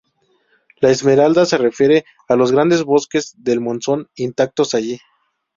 La Esmeralda se refiere a los grandes bosques del monzón intactos allí.